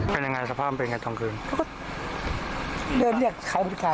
เป็นยังไงสภาพมันเป็นไงตอนคืนเขาก็เดินเรียกใครบริการ